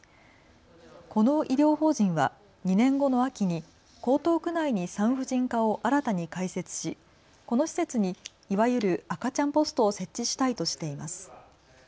この医療法人は２年後の秋に江東区内に産婦人科を新たに開設しこの施設にいわゆる赤ちゃんポストを設置したいとしています。